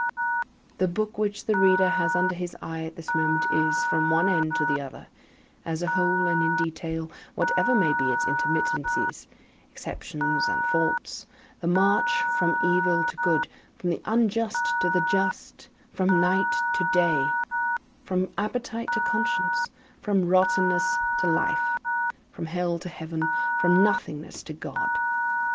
The book which the reader has under his eye at this moment is, from one end to the other, as a whole and in detail, whatever may be its intermittences, exceptions and faults, the march from evil to good, from the unjust to the just, from night to day, from appetite to conscience, from rottenness to life, from hell to heaven, from nothingness to God.